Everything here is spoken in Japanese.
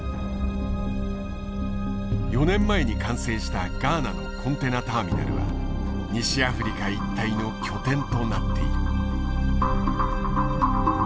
４年前に完成したガーナのコンテナターミナルは西アフリカ一帯の拠点となっている。